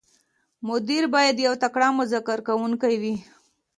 مدیر باید یو تکړه مذاکره کوونکی وي.